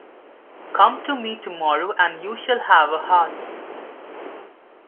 Come to me tomorrow and you shall have a heart.